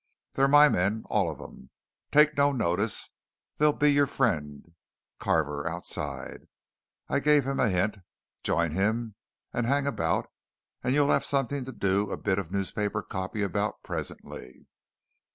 They're my men all of 'em! Take no notice there'll be your friend Carver outside I gave him a hint. Join him, and hang about you'll have something to do a bit of newspaper copy about presently."